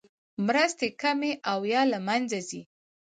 مرستې کمې او یا له مینځه ځي.